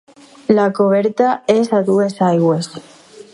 La coberta és a dues aigües.